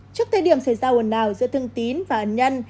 trước thời điểm xảy ra hồn nào giữa thương tín và ấn nhân